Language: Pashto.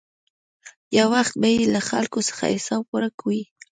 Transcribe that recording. یو وخت به یې له خلکو څخه حساب ورک وي.